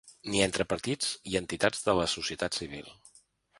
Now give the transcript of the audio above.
Ni entre partits i entitats de la societat civil.